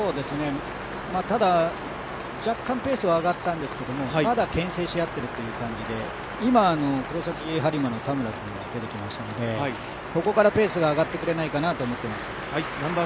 ただ、若干ペースは上がったんですけど、まだけん制しあってる感じで今、黒崎播磨の田村君が出てきましたのでここからペースが上がってくれないかなと思っています。